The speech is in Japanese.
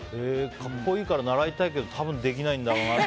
格好いいから習いたいけど多分できないんだろうなって。